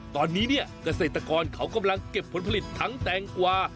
ตอนนี้เนี่ยเกษตรกรเขากำลังเก็บผลผลิตทั้งแตงกวา